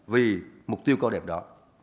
vì mục tiêu câu đẹp đó